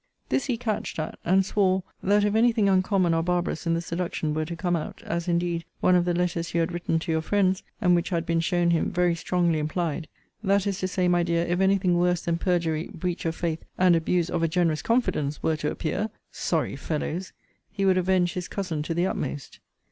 This he catched at; and swore, that if any thing uncommon or barbarous in the seduction were to come out, as indeed one of the letters you had written to your friends, and which had been shown him, very strongly implied; that is to say, my dear, if any thing worse than perjury, breach of faith, and abuse of a generous confidence, were to appear! [sorry fellows!] he would avenge his cousin to the utmost.